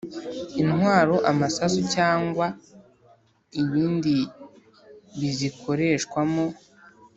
Intwaro amasasu cyangwa ibindi bizikoreshwamo